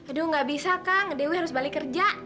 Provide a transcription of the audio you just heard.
aduh gak bisa kang dewi harus balik kerja